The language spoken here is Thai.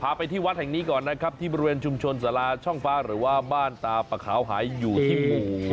ไปที่วัดแห่งนี้ก่อนนะครับที่บริเวณชุมชนสาราช่องฟ้าหรือว่าบ้านตาปะขาวหายอยู่ที่หมู่